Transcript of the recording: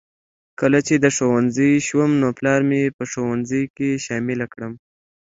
کله چې د ښوونځي شوم نو پلار مې په ښوونځي کې شامله کړم